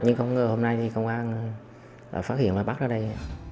nhưng không ngờ hôm nay thì công an đã phát hiện và bắt ra đây